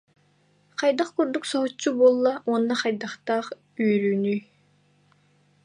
Хайдах курдук соһуччу буолла уонна хайдахтаах үөрүүнүй